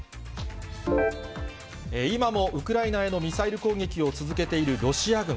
今もウクライナへのミサイル攻撃を続けているロシア軍。